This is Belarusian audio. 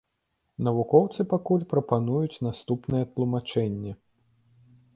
Навукоўцы пакуль прапануюць наступнае тлумачэнне.